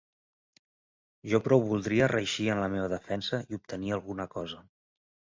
Jo prou voldria reeixir en la meva defensa i obtenir alguna cosa.